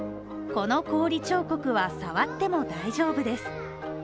この氷彫刻は触っても大丈夫です。